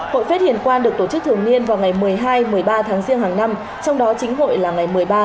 hội phết hiền quan được tổ chức thường niên vào ngày một mươi hai một mươi ba tháng riêng hàng năm trong đó chính hội là ngày một mươi ba